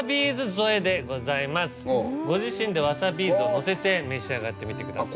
ご自身でわさビーズをのせて召し上がってみてください。